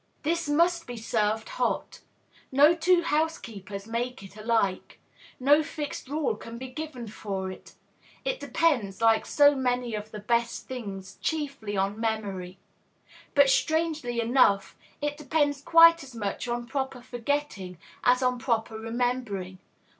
This must be served hot. No two housekeepers make it alike; no fixed rule can be given for it. It depends, like so many of the best things, chiefly on memory; but, strangely enough, it depends quite as much on proper forgetting as on proper remembering.